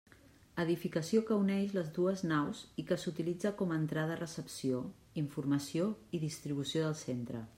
Edificació que uneix les dues naus i que s'utilitza com a entrada-recepció, informació i distribució del centre.